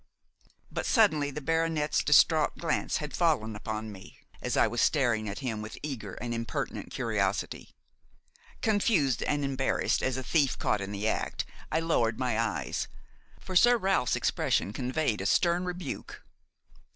But suddenly the baronet's distraught glance had fallen upon me, as I was staring at him with eager and impertinent curiosity. Confused and embarrassed as a thief caught in the act, I lowered my eyes, for Sir Ralph's expression conveyed a stern rebuke.